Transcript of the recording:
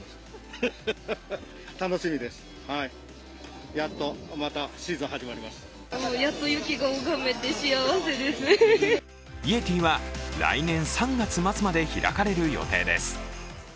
イエティは来年３月末まで開かれる予定です。